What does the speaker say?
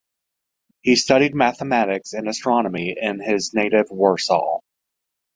He studied mathematics and astronomy in his native Warsaw.